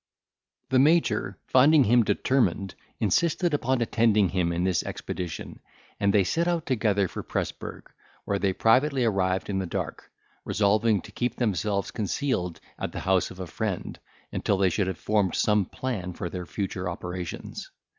The Major, finding him determined, insisted upon attending him in this expedition, and they set out together for Presburg, where they privately arrived in the dark, resolving to keep themselves concealed at the house of a friend, until they should have formed some plan for their future operations.